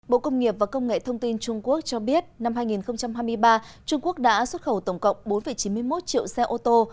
bộ công nghiệp và công nghệ thông tin trung quốc cho biết năm hai nghìn hai mươi ba trung quốc đã xuất khẩu tổng cộng bốn chín mươi một triệu xe ô tô